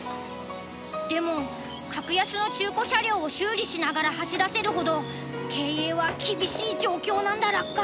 でも格安の中古車両を修理しながら走らせるほど経営は厳しい状況なんだラッカ。